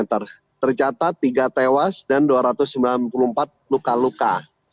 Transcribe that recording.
tercatat tiga tewas dan dua ratus sembilan puluh empat luka luka